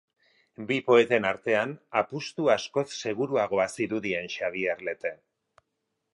Bi poeten artean, apustu askoz seguruagoa zirudien Xabier Lete.